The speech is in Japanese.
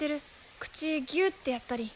口ギュッてやったり。